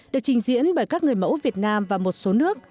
được trình diễn bởi các người mẫu việt nam và một số nước